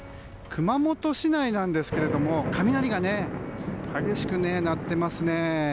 熊本市内なんですが雷が激しく鳴っていますね。